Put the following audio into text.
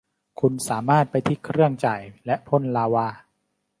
คุณสามารถไปที่เครื่องจ่ายและพ่นลาวา